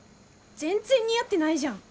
全然似合ってないじゃん！